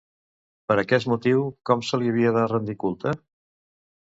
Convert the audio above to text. Per aquest motiu, com se li havia de rendir culte?